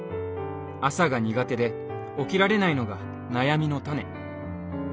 朝が苦手で起きられないのが悩みの種。